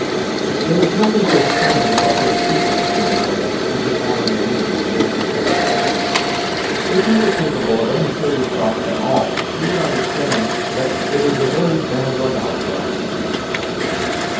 "There is nothing so splendid about your secret," said Woloda, who did not in the least share her satisfaction. "If you were capable of any serious thought at all, you would understand that it is a very bad lookout for us."